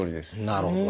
なるほど。